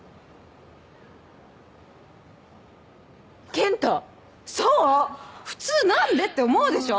ケンタそう普通なんでって思うでしょ？